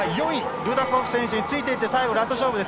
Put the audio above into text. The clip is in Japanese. ルダコフ選手についていって最後、ラスト勝負です。